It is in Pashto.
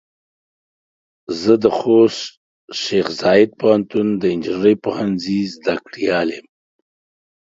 زه د خوست شیخ زايد پوهنتون د انجنیري پوهنځۍ زده کړيال يم.